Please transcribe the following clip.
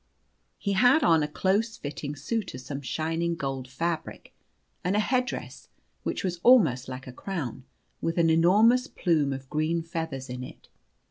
He had on a close fitting suit of some shining gold fabric, and a headdress, which was almost like a crown, with an enormous plume of green feathers in it.